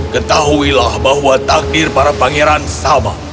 ketahuilah bahwa takdir para pangeran sama